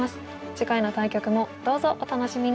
次回の対局もどうぞお楽しみに！